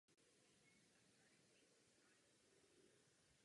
Téhož roku při cestách Německem navštívil Goetheho.